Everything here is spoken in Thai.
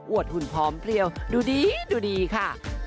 หุ่นพร้อมเพลียวดูดีดูดีค่ะ